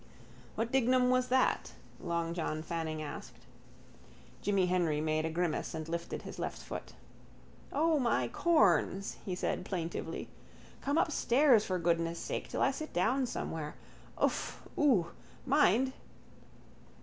—What Dignam was that? long John Fanning asked. Jimmy Henry made a grimace and lifted his left foot. —O, my corns! he said plaintively. Come upstairs for goodness' sake till I sit down somewhere. Uff! Ooo! Mind!